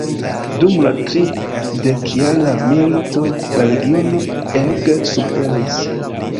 Dum la tridekjara milito la regiono ege suferis.